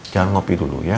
jangan ngopi dulu ya